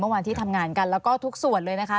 เมื่อวานที่ทำงานกันแล้วก็ทุกส่วนเลยนะคะ